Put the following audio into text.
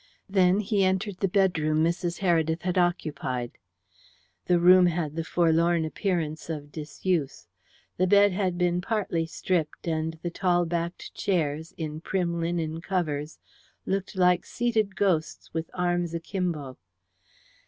Then he entered the bedroom Mrs. Heredith had occupied. The room had the forlorn appearance of disuse. The bed had been partly stripped, and the tall backed chairs, in prim linen covers, looked like seated ghosts with arms a kimbo.